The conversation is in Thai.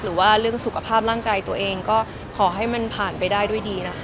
หรือว่าเรื่องสุขภาพร่างกายตัวเองก็ขอให้มันผ่านไปได้ด้วยดีนะคะ